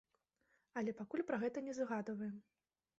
Але пакуль пра гэта не загадваем.